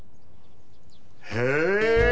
へえ！